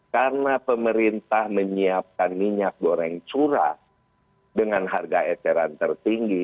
karena pemerintah menyiapkan minyak goreng curah dengan harga eceran tertinggi